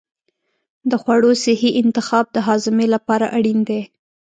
د خوړو صحي انتخاب د هاضمې لپاره اړین دی.